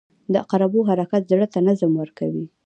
• د عقربو حرکت زړه ته نظم ورکوي.